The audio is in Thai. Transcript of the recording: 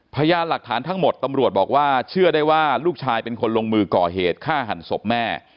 พยานหลักฐานทั้งหมดตำรวจบอกว่าเชื่อได้ว่าลูกชายเป็นคนลงมือก่อเหตุฆ่าหันศพแม่